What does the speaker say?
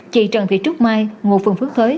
chị trần thị trúc mai ngụ phường phước thới